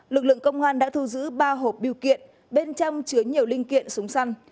lực lượng công an đã thu giữ ba hộp biêu kiện bên trong chứa nhiều linh kiện súng săn